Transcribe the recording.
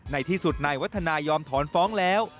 ในที่สุดนายวัฒนายอมถอนฟ้องแล้ว